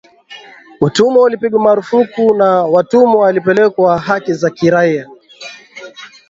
Utumwa ulipigwa marufuku na watumwa walipewa haki za kiraia